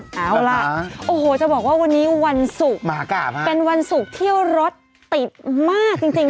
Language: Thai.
เอาล่ะโอ้โหจะบอกว่าวันนี้วันศุกร์เป็นวันศุกร์ที่รถติดมากจริง